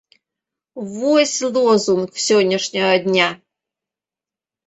Вось лозунг сённяшняга дня!